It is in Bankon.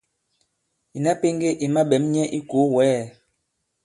Ìna pēŋge i maɓɛ̌m nyɛ i ikòo wɛ̌ɛ!